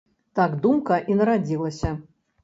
Так думка і нарадзілася.